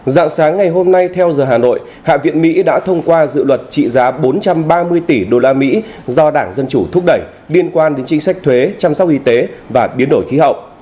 dạng sáng ngày hôm nay theo giờ hà nội hạ viện mỹ đã thông qua dự luật trị giá bốn trăm ba mươi tỷ usd do đảng dân chủ thúc đẩy liên quan đến chính sách thuế chăm sóc y tế và biến đổi khí hậu